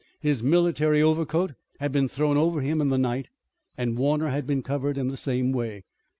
His military overcoat had been thrown over him in the night and Warner had been covered in the same way.